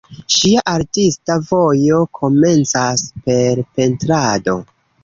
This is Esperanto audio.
Ŝia artista vojo komencas per pentrado.